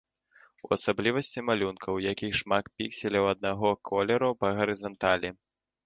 У асаблівасці малюнка, у якіх шмат пікселяў аднаго колеру па гарызанталі.